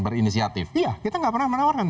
berinisiatif iya kita nggak pernah menawarkan